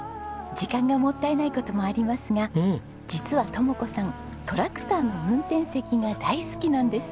時間がもったいない事もありますが実は智子さんトラクターの運転席が大好きなんです。